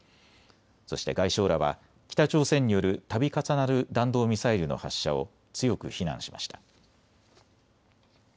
そして外相らは北朝鮮によるたび重なる弾道ミサイルの発射を強く非難しました。